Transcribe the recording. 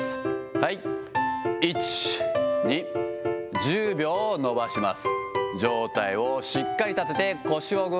はい、１、２、１０秒伸ばします。